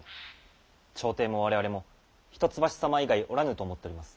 朝廷も我々も一橋様以外おらぬと思っております。